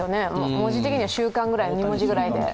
文字的には「習慣」くらいの２文字くらいで。